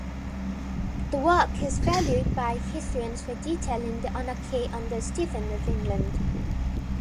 The work is valued by historians for detailing The Anarchy under Stephen of England.